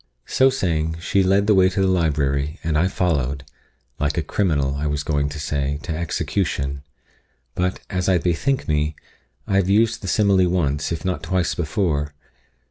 So saying, she led the way to the library, and I followed like a criminal, I was going to say, to execution; but, as I bethink me, I have used the simile once, if not twice before.